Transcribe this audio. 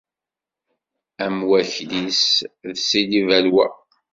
Am wakli-s d Sidi Balwa.